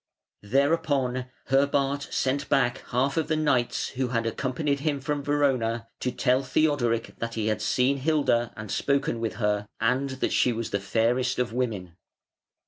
Thereupon Herbart sent back half of the knights who had accompanied him from Verona to tell Theodoric that he had seen Hilda and spoken with her, and that she was the fairest of women.